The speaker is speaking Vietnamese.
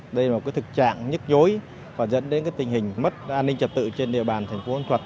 đây là một cái thực trạng nhức dối và dẫn đến cái tình hình mất an ninh trật tự trên địa bàn thành phố tuấn thuật